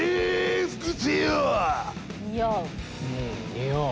似合う。